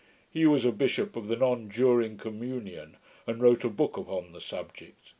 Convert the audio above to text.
He was a bishop of the nonjuring communion, and wrote a book upon the subject.'